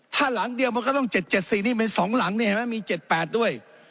ถ้าหลังเดียวมันก็ต้องเจ็ดเจ็ดสี่นี่เป็นสองหลังนี่เห็นมั้ยมีเจ็ดแปดด้วย